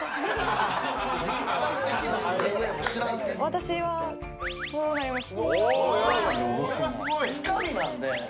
私はこうなります。